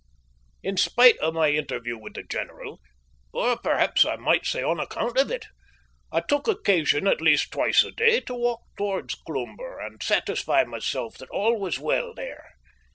In spite of my interview with the general or perhaps I might say on account of it I took occasion at least twice a day to walk towards Cloomber and satisfy myself that all was well there.